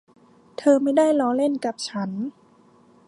เธอไม่ได้ล้อเล่นกับฉัน